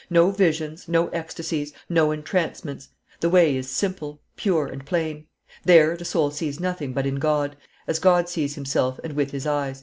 No visions, no ecstasies, no entrancements. The way is simple, pure, and plain; there the soul sees nothing but in God, as God sees Himself and with His eyes."